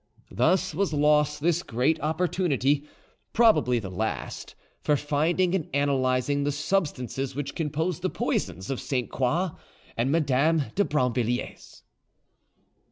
Thus was lost this great opportunity—probably the last—for finding and analysing the substances which composed the poisons of Sainte Croix and Madame de Brinvilliers.